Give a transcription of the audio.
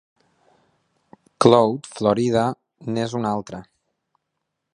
Cloud, Florida, n'és un altre.